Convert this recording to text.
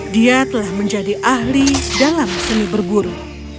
dia telah menjadi ahli dalam seni berburu